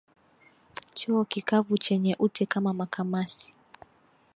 Choo kikavu chenye ute kama makamasi